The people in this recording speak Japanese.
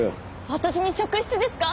私に職質ですか？